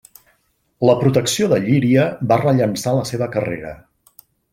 La protecció de Llíria va rellançar la seva carrera.